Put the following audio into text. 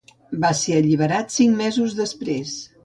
Va ser alliberat cinc mesos després.